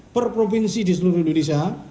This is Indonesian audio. per provinsi di seluruh indonesia